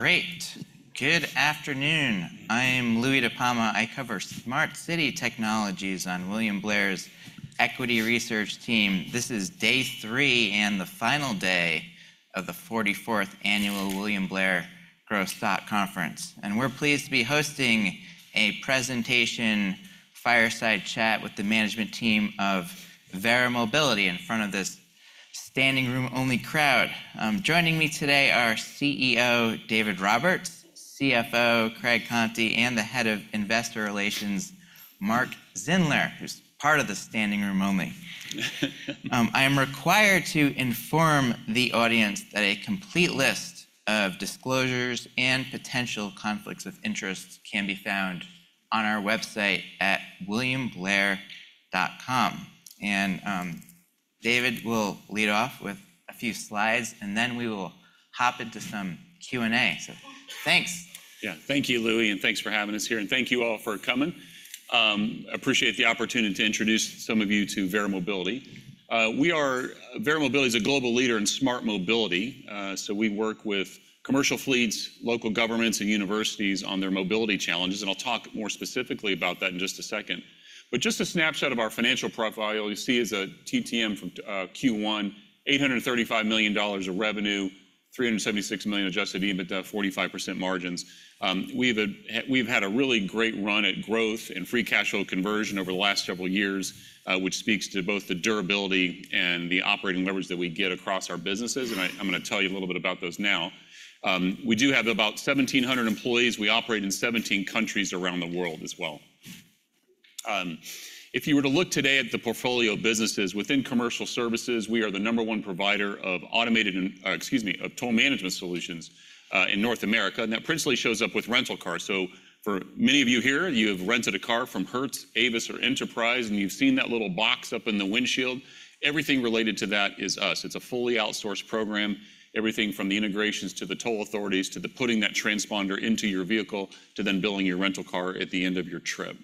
Great. Good afternoon. I'm Louie DiPalma. I cover smart city technologies on William Blair's equity research team. This is day three and the final day of the 44th Annual William Blair Growth Stock Conference. And we're pleased to be hosting a presentation fireside chat with the management team of Verra Mobility in front of this standing room-only crowd. Joining me today are CEO David Roberts, CFO Craig Conti, and the head of investor relations, Mark Zindler, who's part of the standing room only. I am required to inform the audience that a complete list of disclosures and potential conflicts of interest can be found on our website at williamblair.com. And David will lead off with a few slides, and then we will hop into some Q&A. So thanks. Yeah, thank you, Louie, and thanks for having us here. Thank you all for coming. I appreciate the opportunity to introduce some of you to Verra Mobility. Verra Mobility is a global leader in smart mobility. So we work with commercial fleets, local governments, and universities on their mobility challenges. I'll talk more specifically about that in just a second. Just a snapshot of our financial profile you see is a TTM from Q1, $835 million of revenue, $376 million adjusted EBITDA, 45% margins. We've had a really great run at growth and free cash flow conversion over the last several years, which speaks to both the durability and the operating leverage that we get across our businesses. I'm going to tell you a little bit about those now. We do have about 1,700 employees. We operate in 17 countries around the world as well. If you were to look today at the portfolio of businesses, within commercial services, we are the number one provider of automated, excuse me, of toll management solutions in North America. That principally shows up with rental cars. So for many of you here, you have rented a car from Hertz, Avis or Enterprise, and you've seen that little box up in the windshield. Everything related to that is us. It's a fully outsourced program, everything from the integrations to the toll authorities to putting that transponder into your vehicle to then billing your rental car at the end of your trip.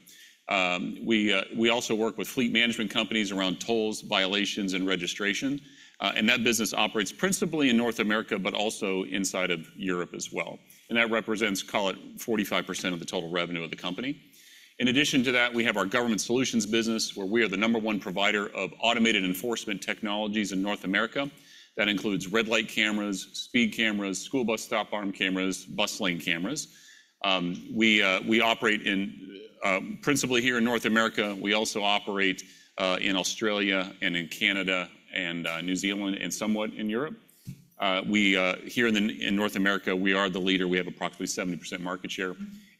We also work with fleet management companies around tolls, violations, and registration. That business operates principally in North America, but also inside of Europe as well. That represents, call it, 45% of the total revenue of the company. In addition to that, we have our government solutions business, where we are the number one provider of automated enforcement technologies in North America. That includes red light cameras, speed cameras, school bus stop arm cameras, bus lane cameras. We operate principally here in North America. We also operate in Australia and in Canada and New Zealand and somewhat in Europe. Here in North America, we are the leader. We have approximately 70% market share.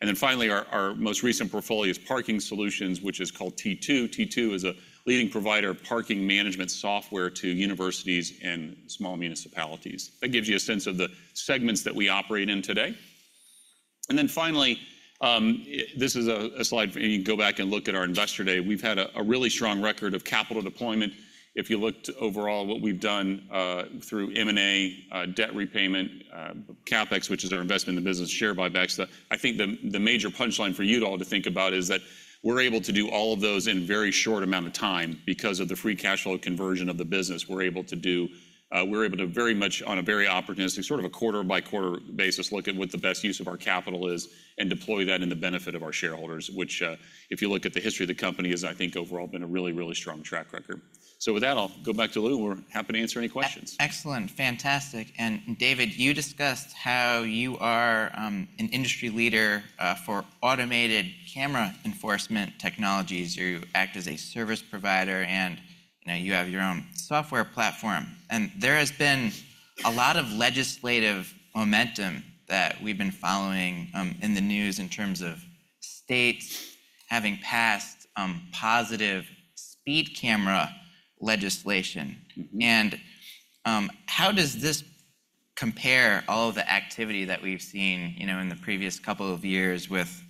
And then finally, our most recent portfolio is parking solutions, which is called T2. T2 is a leading provider of parking management software to universities and small municipalities. That gives you a sense of the segments that we operate in today. And then finally, this is a slide you can go back and look at our investor day. We've had a really strong record of capital deployment. If you looked overall at what we've done through M&A, debt repayment, CapEx, which is our investment in the business, share buybacks, I think the major punchline for you all to think about is that we're able to do all of those in a very short amount of time because of the free cash flow conversion of the business we're able to do. We're able to very much on a very opportunistic sort of a quarter-by-quarter basis look at what the best use of our capital is and deploy that in the benefit of our shareholders, which if you look at the history of the company has, I think, overall been a really, really strong track record. So with that, I'll go back to Louie. We're happy to answer any questions. Excellent. Fantastic. David, you discussed how you are an industry leader for automated camera enforcement technologies. You act as a service provider, and you have your own software platform. There has been a lot of legislative momentum that we've been following in the news in terms of states having passed positive speed camera legislation. How does this compare all of the activity that we've seen in the previous couple of years with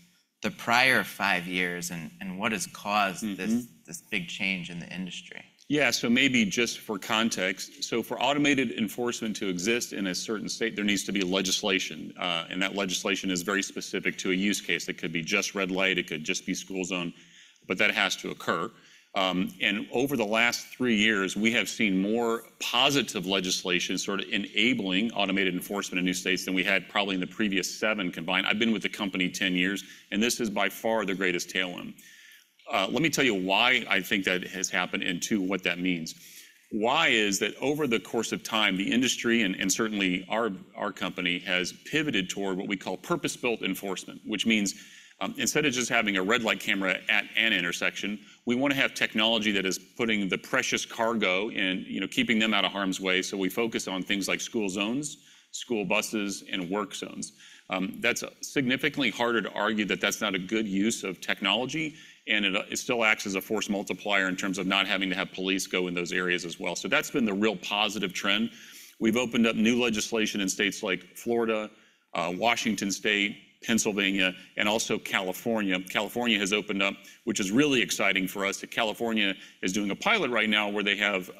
the prior five years and what has caused this big change in the industry? Yeah, so maybe just for context, so for automated enforcement to exist in a certain state, there needs to be legislation. And that legislation is very specific to a use case. It could be just red light. It could just be school zone. But that has to occur. And over the last 3 years, we have seen more positive legislation sort of enabling automated enforcement in new states than we had probably in the previous 7 combined. I've been with the company 10 years, and this is by far the greatest tailwind. Let me tell you why I think that has happened and what that means. Why is that over the course of time, the industry and certainly our company has pivoted toward what we call purpose-built enforcement, which means instead of just having a red light camera at an intersection, we want to have technology that is putting the precious cargo and keeping them out of harm's way. So we focus on things like school zones, school buses, and work zones. That's significantly harder to argue that that's not a good use of technology, and it still acts as a force multiplier in terms of not having to have police go in those areas as well. So that's been the real positive trend. We've opened up new legislation in states like Florida, Washington State, Pennsylvania, and also California. California has opened up, which is really exciting for us. California is doing a pilot right now where they have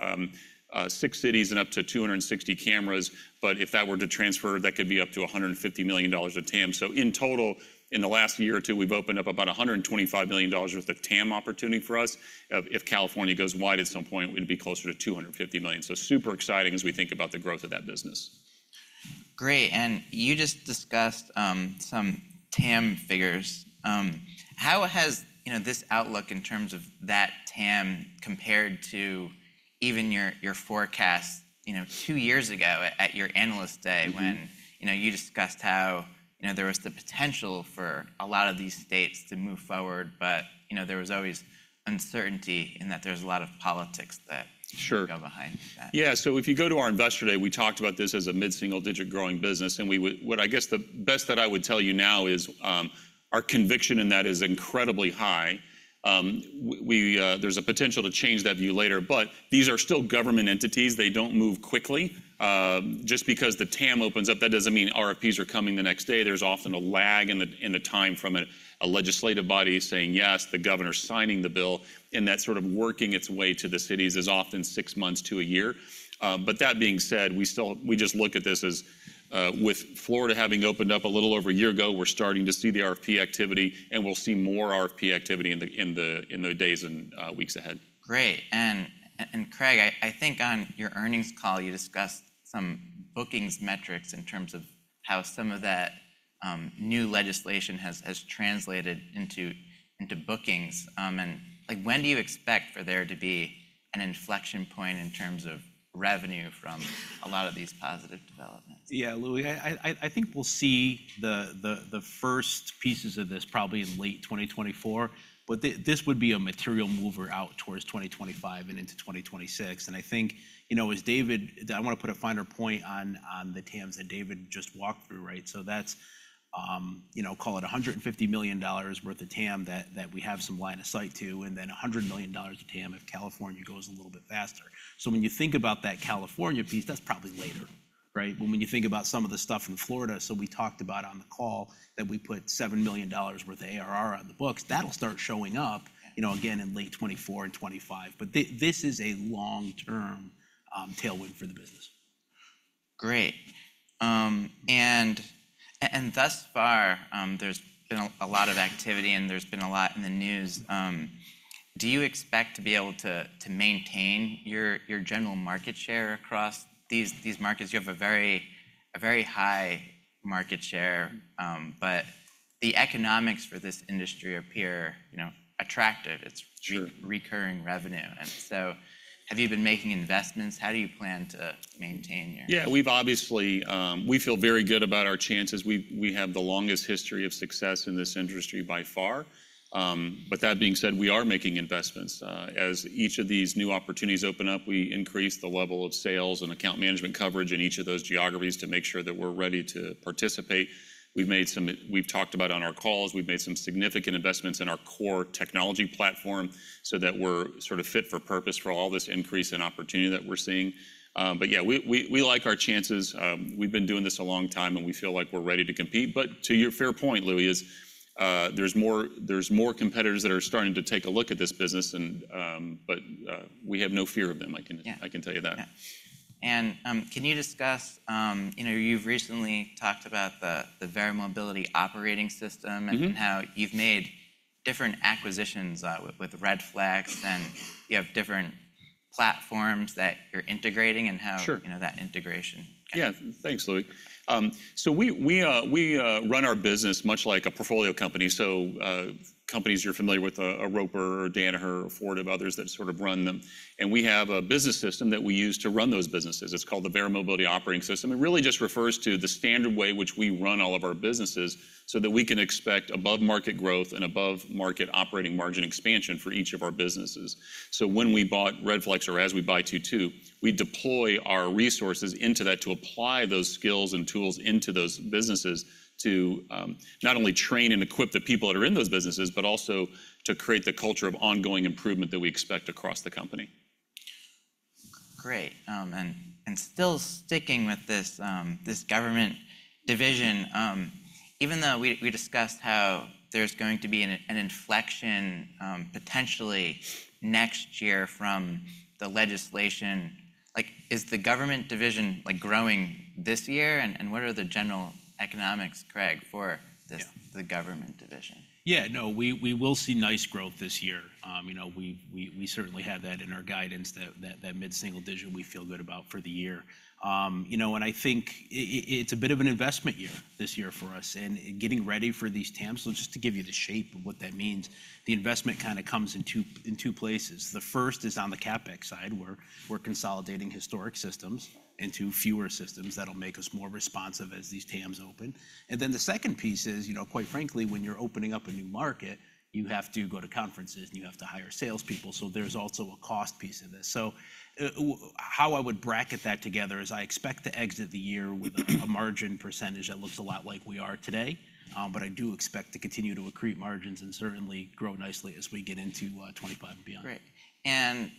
six cities and up to 260 cameras. But if that were to transfer, that could be up to $150 million of TAM. So in total, in the last year or two, we've opened up about $125 million worth of TAM opportunity for us. If California goes wide at some point, we'd be closer to $250 million. So super exciting as we think about the growth of that business. Great. You just discussed some TAM figures. How has this outlook in terms of that TAM compared to even your forecast two years ago at your analyst day when you discussed how there was the potential for a lot of these states to move forward, but there was always uncertainty in that there's a lot of politics that go behind that? Sure. Yeah. So if you go to our investor day, we talked about this as a mid-single digit growing business. And what I guess the best that I would tell you now is our conviction in that is incredibly high. There's a potential to change that view later. But these are still government entities. They don't move quickly. Just because the TAM opens up, that doesn't mean RFPs are coming the next day. There's often a lag in the time from a legislative body saying yes, the governor signing the bill, and that's sort of working its way to the cities as often six months to a year. But that being said, we just look at this as with Florida having opened up a little over a year ago, we're starting to see the RFP activity, and we'll see more RFP activity in the days and weeks ahead. Great. Craig, I think on your earnings call, you discussed some bookings metrics in terms of how some of that new legislation has translated into bookings. When do you expect for there to be an inflection point in terms of revenue from a lot of these positive developments? Yeah, Louie, I think we'll see the first pieces of this probably in late 2024. But this would be a material mover out towards 2025 and into 2026. And I think, as David, I want to put a finer point on the TAMs that David just walked through, right? So that's, call it $150 million worth of TAM that we have some line of sight to, and then $100 million of TAM if California goes a little bit faster. So when you think about that California piece, that's probably later, right? But when you think about some of the stuff in Florida, so we talked about on the call that we put $7 million worth of ARR on the books, that'll start showing up again in late 2024 and 2025. But this is a long-term tailwind for the business. Great. Thus far, there's been a lot of activity, and there's been a lot in the news. Do you expect to be able to maintain your general market share across these markets? You have a very high market share, but the economics for this industry appear attractive. It's recurring revenue. So have you been making investments? How do you plan to maintain your? Yeah, we feel very good about our chances. We have the longest history of success in this industry by far. But that being said, we are making investments. As each of these new opportunities open up, we increase the level of sales and account management coverage in each of those geographies to make sure that we're ready to participate. We've talked about on our calls, we've made some significant investments in our core technology platform so that we're sort of fit for purpose for all this increase in opportunity that we're seeing. But yeah, we like our chances. We've been doing this a long time, and we feel like we're ready to compete. But to your fair point, Louie, there's more competitors that are starting to take a look at this business, but we have no fear of them. I can tell you that. Can you discuss, you've recently talked about the Verra Mobility Operating System and how you've made different acquisitions with Redflex, and you have different platforms that you're integrating and how that integration? Yeah, thanks, Louie. So we run our business much like a portfolio company. So companies you're familiar with, a Roper or Danaher or others that sort of run them. And we have a business system that we use to run those businesses. It's called the Verra Mobility Operating System. It really just refers to the standard way which we run all of our businesses so that we can expect above-market growth and above-market operating margin expansion for each of our businesses. So when we bought Redflex or as we buy T2, we deploy our resources into that to apply those skills and tools into those businesses to not only train and equip the people that are in those businesses, but also to create the culture of ongoing improvement that we expect across the company. Great. And still sticking with this government division, even though we discussed how there's going to be an inflection potentially next year from the legislation, is the government division growing this year? And what are the general economics, Craig, for the government division? Yeah, no, we will see nice growth this year. We certainly have that in our guidance, that mid-single digit we feel good about for the year. And I think it's a bit of an investment year this year for us in getting ready for these TAMs. So just to give you the shape of what that means, the investment kind of comes in two places. The first is on the CapEx side, where we're consolidating historic systems into fewer systems that'll make us more responsive as these TAMs open. And then the second piece is, quite frankly, when you're opening up a new market, you have to go to conferences, and you have to hire salespeople. So how I would bracket that together is I expect to exit the year with a margin percentage that looks a lot like we are today. I do expect to continue to accrete margins and certainly grow nicely as we get into 2025 and beyond. Great. And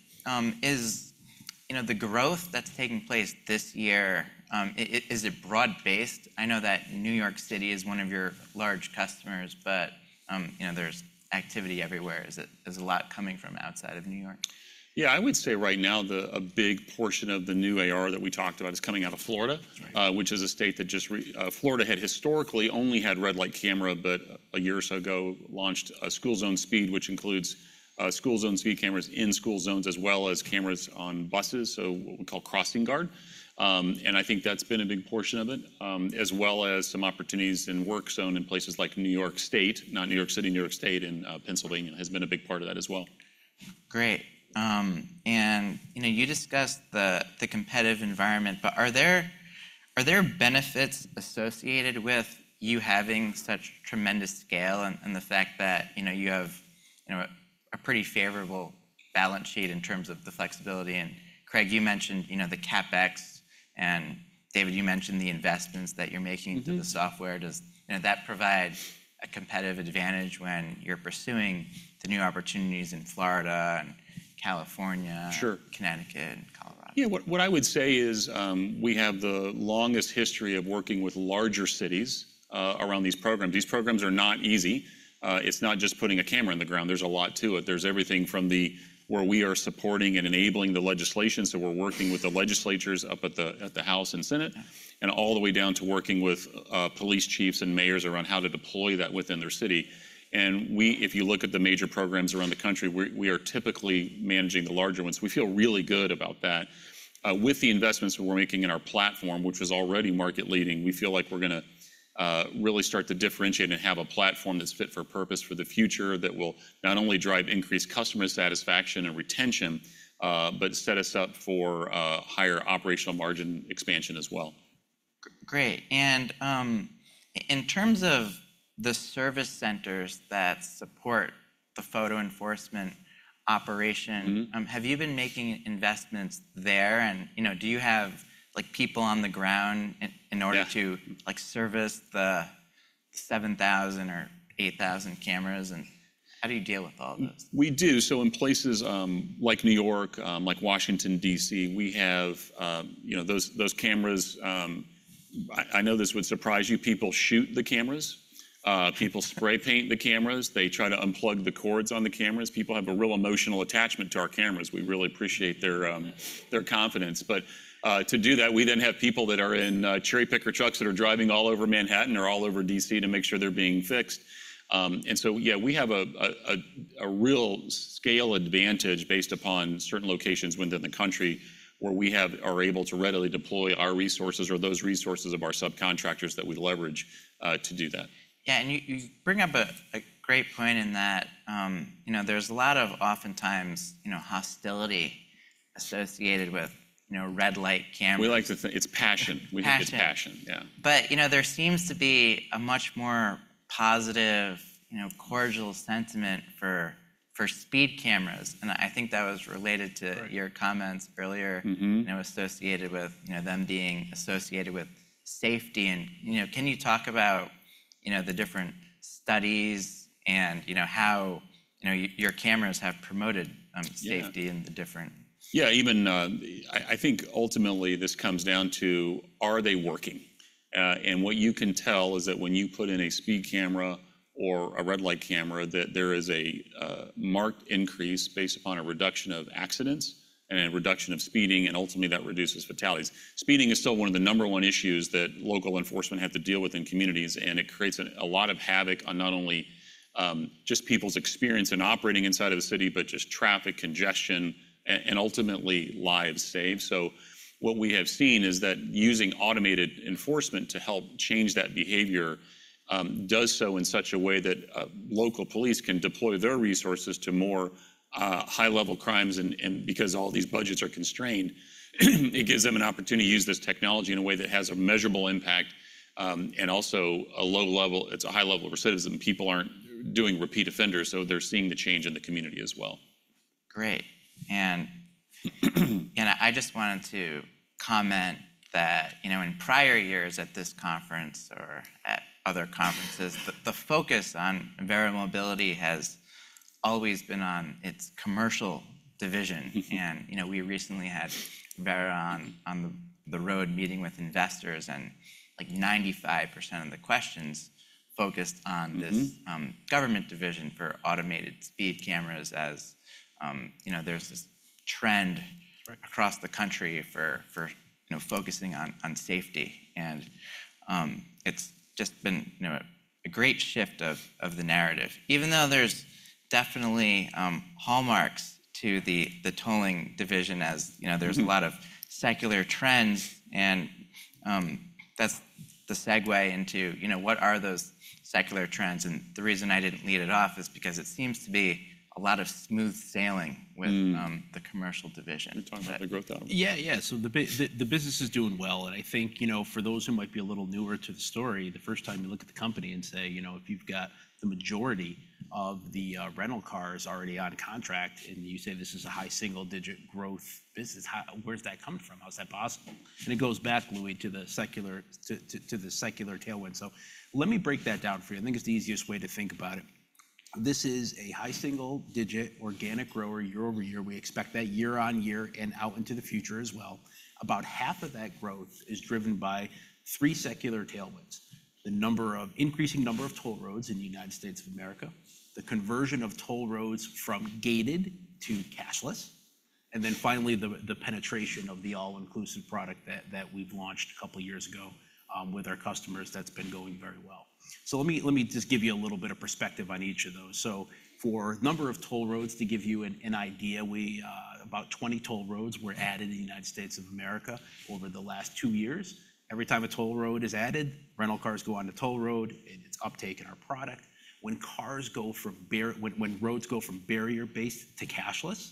the growth that's taking place this year, is it broad-based? I know that New York City is one of your large customers, but there's activity everywhere. Is a lot coming from outside of New York? Yeah, I would say right now a big portion of the new AR that we talked about is coming out of Florida, which is a state that just Florida had historically only had Red Light Camera, but a year or so ago launched a school zone speed, which includes School Zone Speed Cameras in school zones, as well as cameras on buses, so what we call CrossingGuard. And I think that's been a big portion of it, as well as some opportunities in Work Zone in places like New York State, not New York City, New York State and Pennsylvania has been a big part of that as well. Great. And you discussed the competitive environment, but are there benefits associated with you having such tremendous scale and the fact that you have a pretty favorable balance sheet in terms of the flexibility? And Craig, you mentioned the CapEx, and David, you mentioned the investments that you're making into the software. Does that provide a competitive advantage when you're pursuing the new opportunities in Florida and California, Connecticut, Colorado? Yeah, what I would say is we have the longest history of working with larger cities around these programs. These programs are not easy. It's not just putting a camera in the ground. There's a lot to it. There's everything from where we are supporting and enabling the legislation. So we're working with the legislatures up at the House and Senate and all the way down to working with police chiefs and mayors around how to deploy that within their city. And if you look at the major programs around the country, we are typically managing the larger ones. We feel really good about that. With the investments we're making in our platform, which was already market-leading, we feel like we're going to really start to differentiate and have a platform that's fit for purpose for the future that will not only drive increased customer satisfaction and retention, but set us up for higher operational margin expansion as well. Great. In terms of the service centers that support the photo enforcement operation, have you been making investments there? Do you have people on the ground in order to service the 7,000 or 8,000 cameras? How do you deal with all of those? We do. So in places like New York, like Washington, D.C., we have those cameras. I know this would surprise you. People shoot the cameras. People spray paint the cameras. They try to unplug the cords on the cameras. People have a real emotional attachment to our cameras. We really appreciate their confidence. But to do that, we then have people that are in cherry picker trucks that are driving all over Manhattan or all over D.C. to make sure they're being fixed. And so yeah, we have a real scale advantage based upon certain locations within the country where we are able to readily deploy our resources or those resources of our subcontractors that we leverage to do that. Yeah. And you bring up a great point in that there's a lot of oftentimes hostility associated with red light cameras. We like to say it's passion. We think it's passion. Yeah. There seems to be a much more positive, cordial sentiment for speed cameras. I think that was related to your comments earlier associated with them being associated with safety. Can you talk about the different studies and how your cameras have promoted safety in the different? Yeah. I think ultimately this comes down to are they working? And what you can tell is that when you put in a speed camera or a red light camera, that there is a marked increase based upon a reduction of accidents and a reduction of speeding, and ultimately that reduces fatalities. Speeding is still one of the number one issues that local enforcement have to deal with in communities, and it creates a lot of havoc on not only just people's experience in operating inside of the city, but just traffic congestion and ultimately lives saved. So what we have seen is that using automated enforcement to help change that behavior does so in such a way that local police can deploy their resources to more high-level crimes. Because all these budgets are constrained, it gives them an opportunity to use this technology in a way that has a measurable impact and also a low level. It's a high level recidivism. People aren't doing repeat offenders, so they're seeing the change in the community as well. Great. I just wanted to comment that in prior years at this conference or at other conferences, the focus on Verra Mobility has always been on its commercial division. We recently had Verra on the road meeting with investors, and 95% of the questions focused on this government division for automated speed cameras as there's this trend across the country for focusing on safety. It's just been a great shift of the narrative, even though there's definitely hallmarks to the tolling division as there's a lot of secular trends. That's the segue into what are those secular trends. The reason I didn't lead it off is because it seems to be a lot of smooth sailing with the commercial division. You're talking about the growth out of it? Yeah, yeah. So the business is doing well. And I think for those who might be a little newer to the story, the first time you look at the company and say, if you've got the majority of the rental cars already on contract and you say this is a high single-digit growth business, where's that coming from? How's that possible? And it goes back, Louie, to the secular tailwind. So let me break that down for you. I think it's the easiest way to think about it. This is a high single-digit organic grower year-over-year. We expect that year-on-year and out into the future as well. About half of that growth is driven by three secular tailwinds: the increasing number of toll roads in the United States of America, the conversion of toll roads from gated to cashless, and then finally the penetration of the all-inclusive product that we've launched a couple of years ago with our customers that's been going very well. So let me just give you a little bit of perspective on each of those. So for number of toll roads, to give you an idea, about 20 toll roads were added in the United States of America over the last two years. Every time a toll road is added, rental cars go on the toll road, and it's uptake in our product. When roads go from barrier-based to cashless,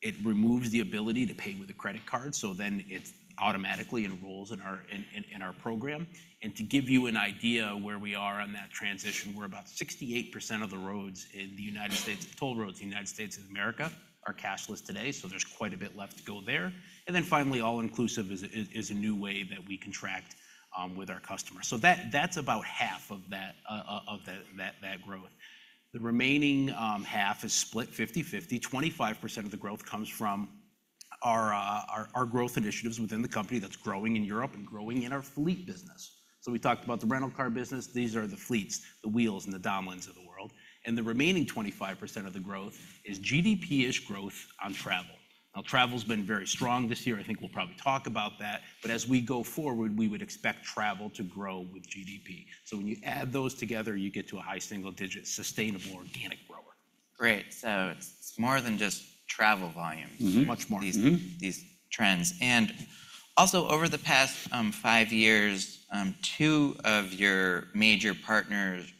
it removes the ability to pay with a credit card. So then it automatically enrolls in our program. To give you an idea where we are on that transition, we're about 68% of the roads in the United States, toll roads in the United States of America, are cashless today. So there's quite a bit left to go there. Then finally, all-inclusive is a new way that we contract with our customers. That's about half of that growth. The remaining half is split 50/50. 25% of the growth comes from our growth initiatives within the company that's growing in Europe and growing in our fleet business. We talked about the rental car business. These are the fleets, the Wheels, and the Donlens of the world. The remaining 25% of the growth is GDP-ish growth on travel. Now, travel's been very strong this year. I think we'll probably talk about that. But as we go forward, we would expect travel to grow with GDP. When you add those together, you get to a high single-digit sustainable organic grower. Great. So it's more than just travel volumes. Much more than that. These trends. Also over the past five years, two of your major partners,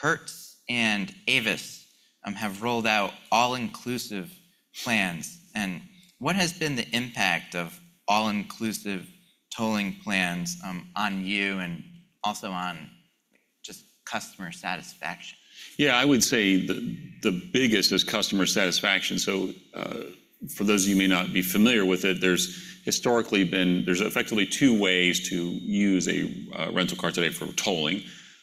Hertz and Avis, have rolled out all-inclusive plans. What has been the impact of all-inclusive tolling plans on you and also on just customer satisfaction? Yeah, I would say the biggest is customer satisfaction. So for those of you who may not be familiar with it, there's historically been effectively two ways to use a rental car today for tolling.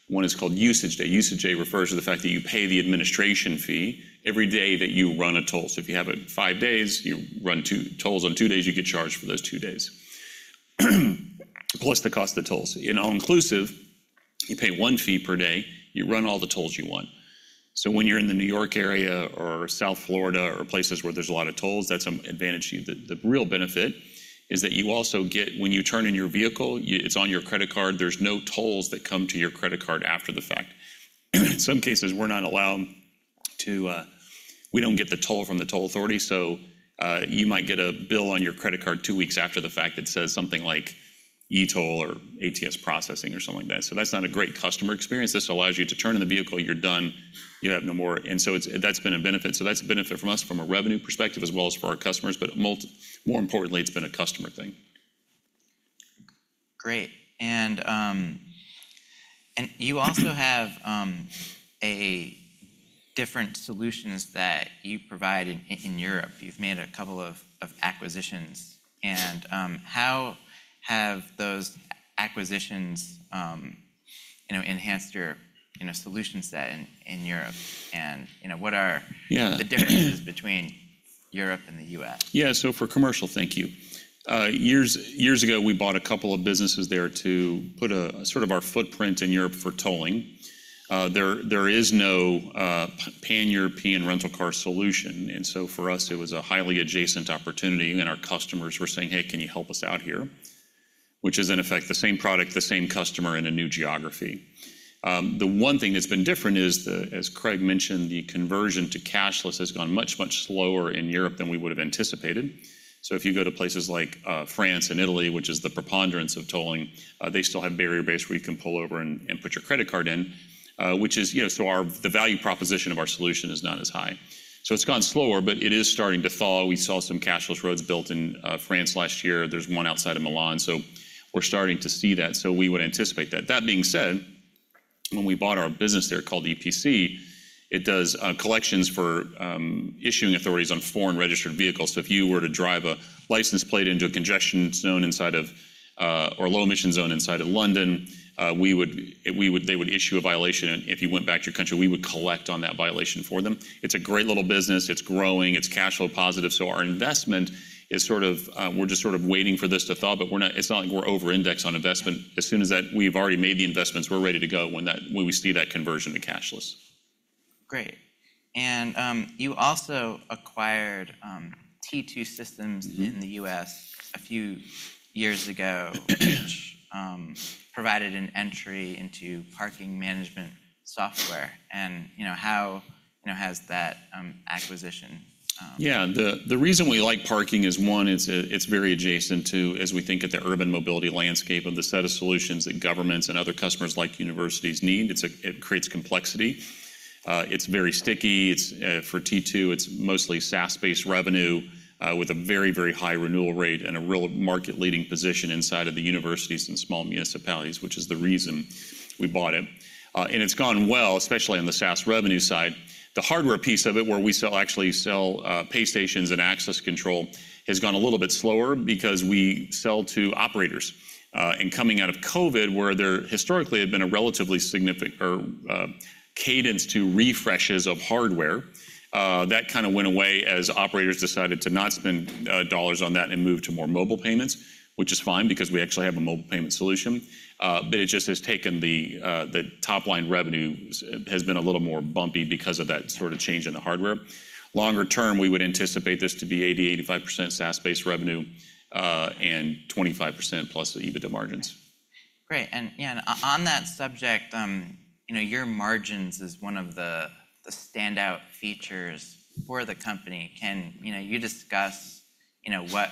One is called usage day. Usage day refers to the fact that you pay the administration fee every day that you run a toll. So if you have five days, you run two tolls on two days, you get charged for those two days, plus the cost of the tolls. In all-inclusive, you pay one fee per day. You run all the tolls you want. So when you're in the New York area or South Florida or places where there's a lot of tolls, that's an advantage to you. The real benefit is that you also get, when you turn in your vehicle, it's on your credit card. There's no tolls that come to your credit card after the fact. In some cases, we're not allowed to. We don't get the toll from the toll authority. You might get a bill on your credit card two weeks after the fact that says something like e-toll or ATS processing or something like that. That's not a great customer experience. This allows you to turn in the vehicle. You're done. You don't have no more. That's been a benefit. That's a benefit from us from a revenue perspective as well as for our customers. But more importantly, it's been a customer thing. Great. And you also have different solutions that you provide in Europe. You've made a couple of acquisitions. And how have those acquisitions enhanced your solution set in Europe? And what are the differences between Europe and the U.S.? Yeah. So for commercial, thank you. Years ago, we bought a couple of businesses there to put sort of our footprint in Europe for tolling. There is no pan-European rental car solution. And so for us, it was a highly adjacent opportunity. And our customers were saying, "Hey, can you help us out here?" Which is in effect the same product, the same customer in a new geography. The one thing that's been different is, as Craig mentioned, the conversion to cashless has gone much, much slower in Europe than we would have anticipated. So if you go to places like France and Italy, which is the preponderance of tolling, they still have barrier-based where you can pull over and put your credit card in, which is so the value proposition of our solution is not as high. So it's gone slower, but it is starting to thaw. We saw some cashless roads built in France last year. There's one outside of Milan. So we're starting to see that. So we would anticipate that. That being said, when we bought our business there called EPC, it does collections for issuing authorities on foreign registered vehicles. So if you were to drive a license plate into a congestion zone inside of or low emission zone inside of London, they would issue a violation. And if you went back to your country, we would collect on that violation for them. It's a great little business. It's growing. It's cash flow positive. So our investment is sort of we're just sort of waiting for this to thaw, but it's not like we're over-indexed on investment. As soon as we've already made the investments, we're ready to go when we see that conversion to cashless. Great. You also acquired T2 Systems in the U.S. a few years ago, which provided an entry into parking management software. How has that acquisition? Yeah. The reason we like parking is one, it's very adjacent to, as we think of the urban mobility landscape of the set of solutions that governments and other customers like universities need. It creates complexity. It's very sticky. For T2, it's mostly SaaS-based revenue with a very, very high renewal rate and a real market-leading position inside of the universities and small municipalities, which is the reason we bought it. And it's gone well, especially on the SaaS revenue side. The hardware piece of it, where we actually sell pay stations and access control, has gone a little bit slower because we sell to operators. Coming out of COVID, where there historically had been a relatively significant cadence to refreshes of hardware, that kind of went away as operators decided to not spend dollars on that and move to more mobile payments, which is fine because we actually have a mobile payment solution. It just has taken the top-line revenue, has been a little more bumpy because of that sort of change in the hardware. Longer term, we would anticipate this to be 80%-85% SaaS-based revenue and 25%+ EBITDA margins. Great. And on that subject, your margins is one of the standout features for the company. Can you discuss what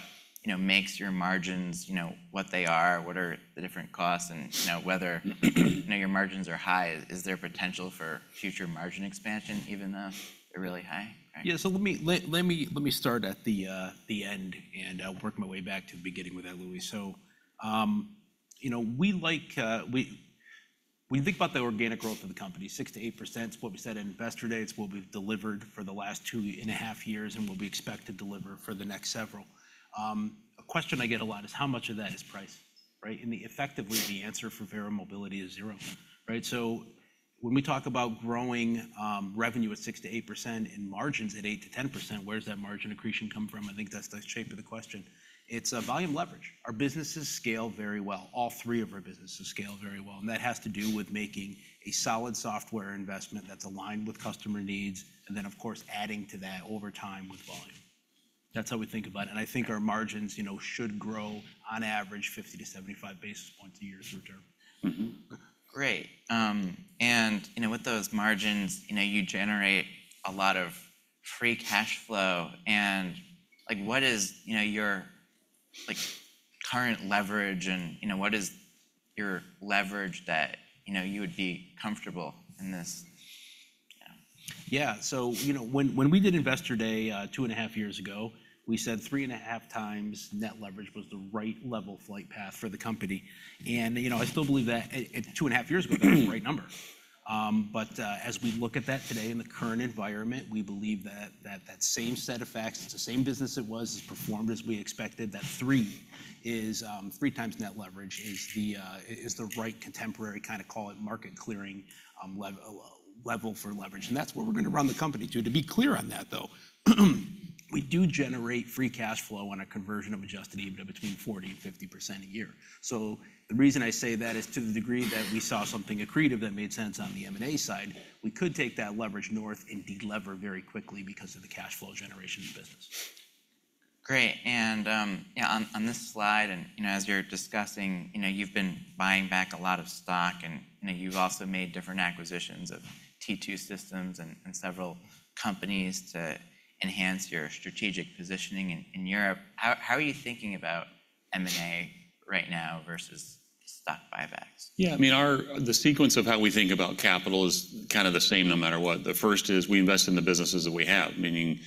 makes your margins what they are, what are the different costs, and whether your margins are high? Is there potential for future margin expansion even though they're really high? Yeah. So let me start at the end and work my way back to the beginning with that, Louie. So we think about the organic growth of the company, 6%-8%. It's what we said at investor day. It's what we've delivered for the last two and a half years and what we expect to deliver for the next several. A question I get a lot is how much of that is price, right? And effectively, the answer for Verra Mobility is zero, right? So when we talk about growing revenue at 6%-8% and margins at 8%-10%, where does that margin accretion come from? I think that's the shape of the question. It's volume leverage. Our businesses scale very well. All three of our businesses scale very well. That has to do with making a solid software investment that's aligned with customer needs and then, of course, adding to that over time with volume. That's how we think about it. I think our margins should grow on average 50-75 basis points a year through term. Great. And with those margins, you generate a lot of free cash flow. And what is your current leverage and what is your leverage that you would be comfortable in this? Yeah. So when we did investor day two and a half years ago, we said 3.5x net leverage was the right level flight path for the company. I still believe that two and a half years ago, that was the right number. But as we look at that today in the current environment, we believe that that same set of facts, it's the same business it was, it's performed as we expected, that 3x net leverage is the right contemporary kind of call it market clearing level for leverage. And that's where we're going to run the company to. To be clear on that, though, we do generate free cash flow on a conversion of Adjusted EBITDA between 40%-50% a year. So the reason I say that is to the degree that we saw something accretive that made sense on the M&A side, we could take that leverage north and delever very quickly because of the cash flow generation business. Great. And on this slide, and as you're discussing, you've been buying back a lot of stock. And you've also made different acquisitions of T2 Systems and several companies to enhance your strategic positioning in Europe. How are you thinking about M&A right now versus stock buybacks? Yeah. I mean, the sequence of how we think about capital is kind of the same no matter what. The first is we invest in the businesses that we have, meaning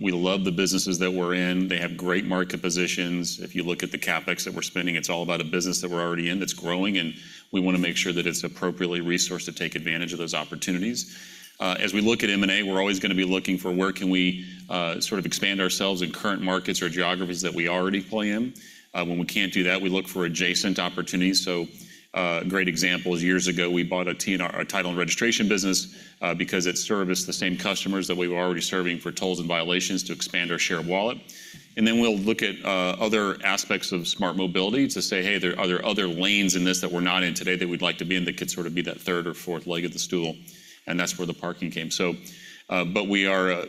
we love the businesses that we're in. They have great market positions. If you look at the CapEx that we're spending, it's all about a business that we're already in that's growing. We want to make sure that it's appropriately resourced to take advantage of those opportunities. As we look at M&A, we're always going to be looking for where can we sort of expand ourselves in current markets or geographies that we already play in. When we can't do that, we look for adjacent opportunities. So a great example is years ago, we bought a title and registration business because it serviced the same customers that we were already serving for tolls and violations to expand our share of wallet. And then we'll look at other aspects of smart mobility to say, "Hey, are there other lanes in this that we're not in today that we'd like to be in that could sort of be that third or fourth leg of the stool?" And that's where the parking came. But we are a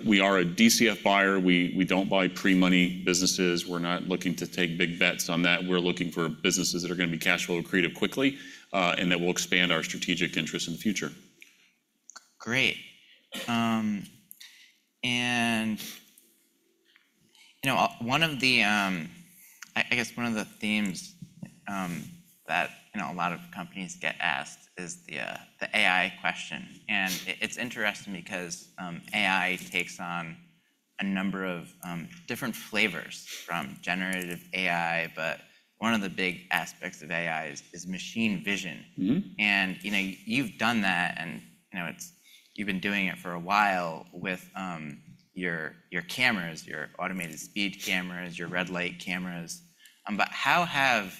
DCF buyer. We don't buy pre-money businesses. We're not looking to take big bets on that. We're looking for businesses that are going to be cash flow accretive quickly and that will expand our strategic interests in the future. Great. And I guess one of the themes that a lot of companies get asked is the AI question. And it's interesting because AI takes on a number of different flavors from generative AI, but one of the big aspects of AI is machine vision. And you've done that, and you've been doing it for a while with your cameras, your automated speed cameras, your red light cameras. But how have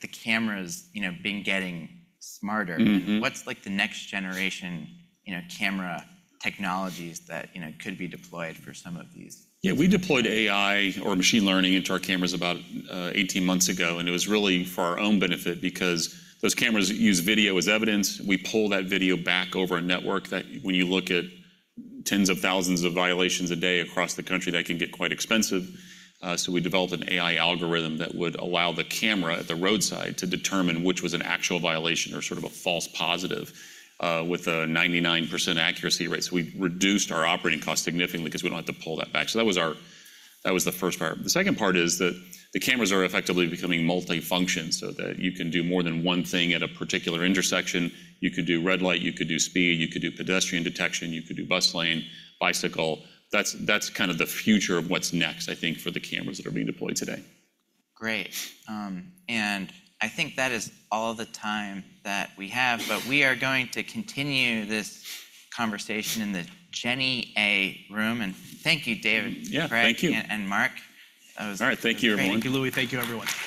the cameras been getting smarter? What's the next generation camera technologies that could be deployed for some of these? Yeah. We deployed AI or machine learning into our cameras about 18 months ago. It was really for our own benefit because those cameras use video as evidence. We pull that video back over a network that when you look at tens of thousands of violations a day across the country, that can get quite expensive. We developed an AI algorithm that would allow the camera at the roadside to determine which was an actual violation or sort of a false positive with a 99% accuracy rate. We reduced our operating cost significantly because we don't have to pull that back. That was the first part. The second part is that the cameras are effectively becoming multifunction so that you can do more than one thing at a particular intersection. You could do red light, you could do speed, you could do pedestrian detection, you could do bus lane, bicycle. That's kind of the future of what's next, I think, for the cameras that are being deployed today. Great. I think that is all the time that we have, but we are going to continue this conversation in the Jenny A room. Thank you, David. Yeah. Thank you. And Mark. All right. Thank you, everyone. Thank you, Louie. Thank you, everyone.